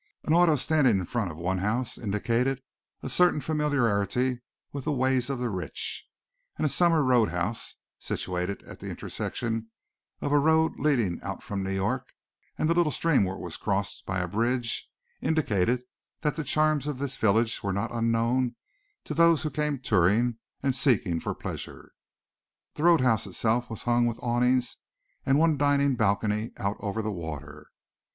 An auto standing in front of one house indicated a certain familiarity with the ways of the rich, and a summer road house, situated at the intersection of a road leading out from New York and the little stream where it was crossed by a bridge, indicated that the charms of this village were not unknown to those who came touring and seeking for pleasure. The road house itself was hung with awnings and one dining balcony out over the water.